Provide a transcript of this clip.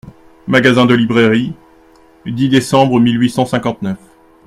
MAGASIN DE LIBRAIRIE, dix décembre mille huit cent cinquante-neuf.